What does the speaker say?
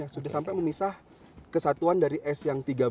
sudah sampai memisah kesatuan dari s yang tiga belas